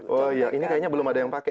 oh iya ini kayaknya belum ada yang pakai